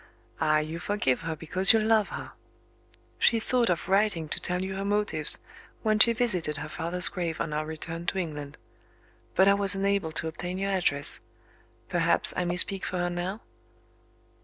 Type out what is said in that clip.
Ah, you forgive her because you love her! She thought of writing to tell you her motives, when she visited her father's grave on our return to England. But I was unable to obtain your address. Perhaps, I may speak for her now?"